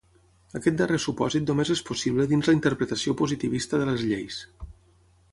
Aquest darrer supòsit només és possible dins la interpretació positivista de les lleis.